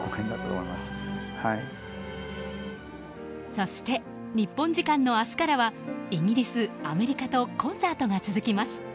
そして、日本時間の明日からはイギリス、アメリカとコンサートが続きます。